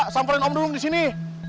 samperin om dudung disini